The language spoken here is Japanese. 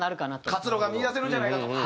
活路が見いだせるんじゃないかと。